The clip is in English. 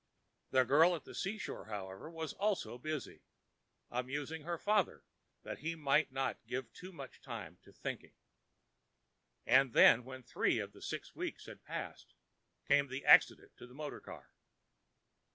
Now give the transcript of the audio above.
The girl at the seashore, however, was also busy—amusing her father that he might not give too much time to thinking. And then, when three of the six weeks had passed, came the accident to the motor car.